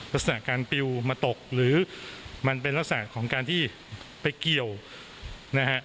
ลักษณะการปิวมาตกหรือมันเป็นลักษณะของการที่ไปเกี่ยวนะฮะ